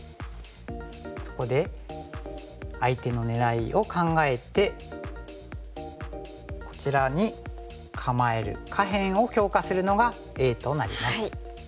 そこで相手の狙いを考えてこちらに構える下辺を強化するのがＡとなります。